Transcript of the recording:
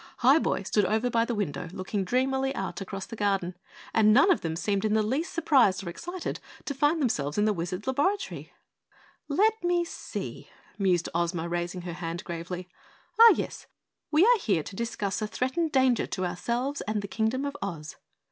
Highboy stood over by the window looking dreamily out across the garden and none of them seemed in the least surprised or excited to find themselves in the Wizard's laboratory. "Let me see " mused Ozma, raising her hand gravely "Ah, yes we are here to discuss a threatened danger to ourselves and the Kingdom of Oz."